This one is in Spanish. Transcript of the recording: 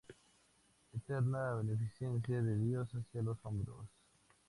Eterna beneficencia de Dios hacia los hombres.